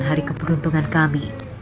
hari keberuntungan kami